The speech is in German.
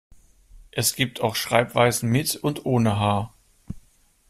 Es gibt auch Schreibweisen mit und ohne H.